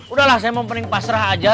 udahlah saya mau mending pasrah aja